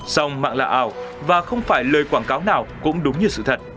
sông mạng lạ ảo và không phải lời quảng cáo nào cũng đúng như sự thật